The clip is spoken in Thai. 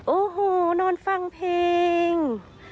โอ้โหนอนฟังเพลง